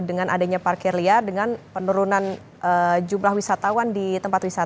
dengan adanya parkir liar dengan penurunan jumlah wisatawan di tempat wisata